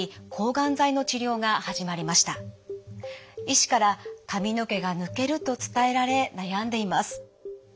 医師から髪の毛が抜けると伝えられ悩んでいます。